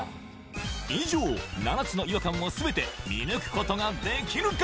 以上７つの違和感を全て見抜くことができるか？